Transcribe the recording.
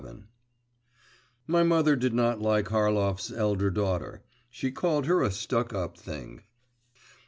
VII My mother did not like Harlov's elder daughter; she called her a stuck up thing.